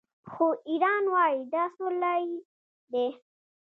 خو ایران وايي دا سوله ییز دی.